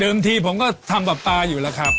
อ๋อเดิมทีผมก็ทำประปาอยู่แล้วครับ